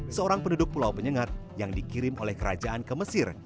seorang penduduk pulau penyengat yang dikirim oleh kerajaan ke mesir